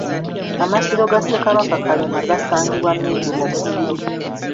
Amasiro ga Ssekabaka Kalema gasangibwa Mmende mu Busiro.